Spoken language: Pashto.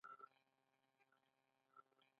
حسنی لور مي په ښوونځي کي اول نمبر ده.